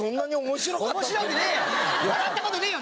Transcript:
笑った事ねえよ！